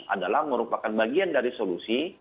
adalah merupakan bagian dari solusi